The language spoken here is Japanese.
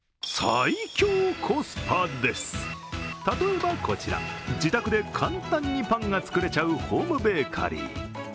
例えばこちら、自宅で簡単にパンが作れちゃうホームベーカリー。